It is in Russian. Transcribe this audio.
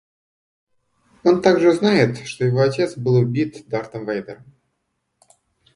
Он также узнает, что его отец был убит Дартом Вейдером